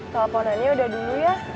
teleponannya udah dulu ya